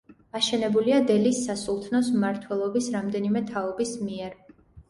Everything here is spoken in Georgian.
აშენებულია დელის სასულთნოს მმართველების რამდენიმე თაობის მიერ.